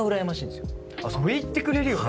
それ言ってくれるよね。